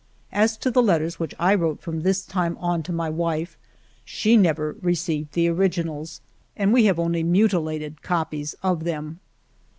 As to the letters which I wrote from this time on to my wife, she never received the originals, and we have only mutilated copies of them.